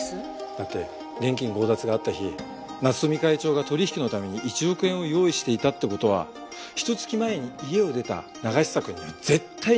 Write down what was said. だって現金強奪があった日夏富会長が取引のために１億円を用意していたって事はひと月前に家を出た永久くんには絶対に知り得ない情報だから。